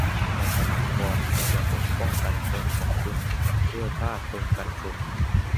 มัณฑนากรควรจะป้องกันพรมของคุณด้วยผ้าคลุมกันฝุ่น